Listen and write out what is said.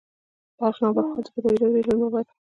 د بلخ نوبهار د بودايي دورې لوی معبد و